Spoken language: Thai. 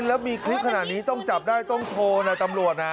แล้วมีคลิปขนาดนี้ต้องจับได้ต้องโชว์นะตำรวจนะ